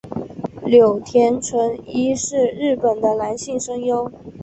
柳田淳一是日本的男性声优。